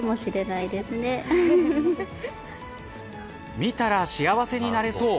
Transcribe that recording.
見たら幸せになれそう。